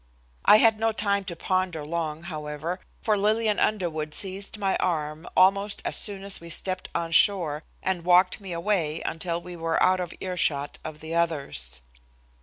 I had not time to ponder long, however, for Lillian Underwood seized my arm almost as soon as we stepped on shore and walked me away until we were out of earshot of the others.